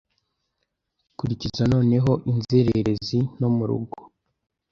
Kurikiza noneho Inzererezi nto murugo